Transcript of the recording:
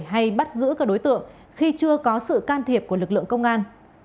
hay bắt giữ các đối tượng khi chưa có sự can thiệp của lực lượng công an